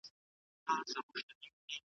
ستاسو روغتیا به د منظم ورزش له امله ښه سي.